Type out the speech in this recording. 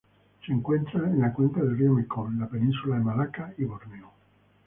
Se encuentra en la cuenca del río Mekong, la Península de Malaca y Borneo.